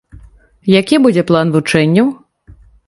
Які будзе план вучэнняў?